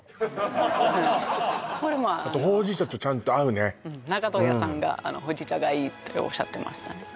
これもあのあとほうじ茶とちゃんと合うね長門屋さんがほうじ茶がいいっておっしゃってましたね